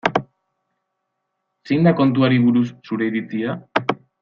Zein da kontuari buruz zure iritzia?